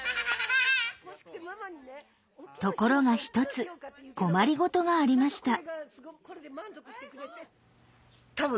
ところが一つ困りごとがありました。